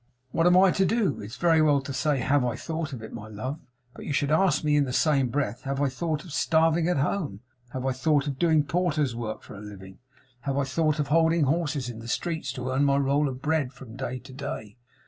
'What am I to do? It's very well to say, "Have I thought of it?" my love; but you should ask me in the same breath, have I thought of starving at home; have I thought of doing porter's work for a living; have I thought of holding horses in the streets to earn my roll of bread from day to day?